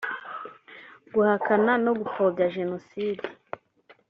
guhakana no gupfobya Jenoside